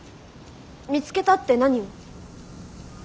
見つけたって何を？